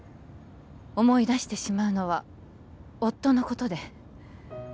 思い出してしまうのは夫のことで